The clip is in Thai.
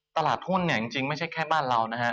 ตลาดหุ้นเนี่ยจริงไม่ใช่แค่บ้านเรานะฮะ